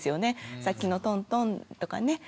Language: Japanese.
さっきのトントンとかね